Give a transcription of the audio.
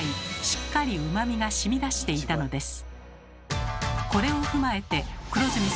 しっかりうまみがしみ出していたのです。